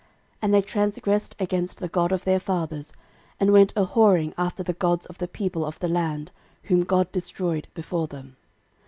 13:005:025 And they transgressed against the God of their fathers, and went a whoring after the gods of the people of the land, whom God destroyed before them.